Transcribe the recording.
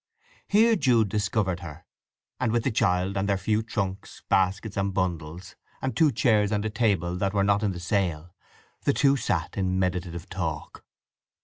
Here Jude discovered her; and with the child, and their few trunks, baskets, and bundles, and two chairs and a table that were not in the sale, the two sat in meditative talk.